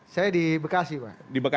saya di bekasi pak